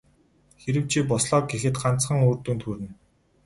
Хэрэв чи бослоо гэхэд ганцхан үр дүнд хүрнэ.